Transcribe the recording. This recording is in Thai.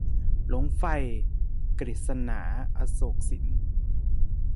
หลงไฟ - กฤษณา อโศกสิน